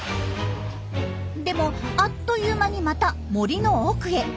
でもあっという間にまた森の奥へ。